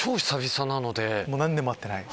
何年も会ってない。